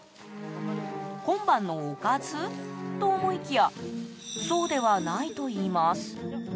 今晩のおかず？と思いきやそうではないといいます。